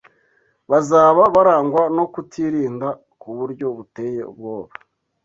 bazaba barangwa no kutirinda ku buryo buteye ubwoba